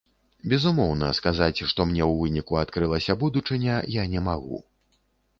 Безумоўна, сказаць, што мне ў выніку адкрылася будучыня, я не магу.